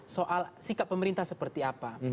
soal sikap pemerintah seperti apa